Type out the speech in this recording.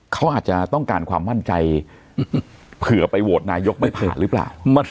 เขาอาจจะต้องการความมั่นใจเผื่อไปโหวตนายกไม่ผ่านหรือเปล่า